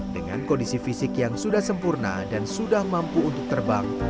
dengan kondisi fisik yang sudah sempurna dan sudah mampu untuk terbang